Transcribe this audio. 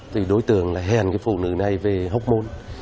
thì đối tượng là hèn cái phụ nữ này về hốc môn